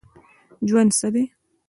ژوند څه دی ؟